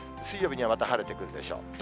水曜日にはまた晴れてくるでしょう。